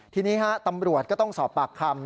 ทีนี้ฮะตำรวจก็ต้องสอบปากคำ